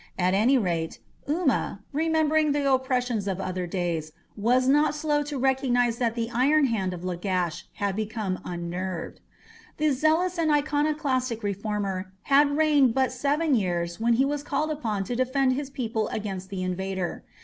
At any rate, Umma, remembering the oppressions of other days, was not slow to recognize that the iron hand of Lagash had become unnerved. The zealous and iconoclastic reformer had reigned but seven years when he was called upon to defend his people against the invader.